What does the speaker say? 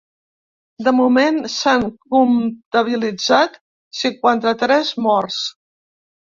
De moment s’han comptabilitzat cinquanta-tres morts.